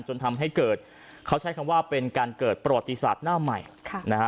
จนทำให้เกิดเขาใช้คำว่าเป็นการเกิดประวัติศาสตร์หน้าใหม่ค่ะนะฮะ